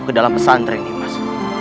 kedalam pesantren nimas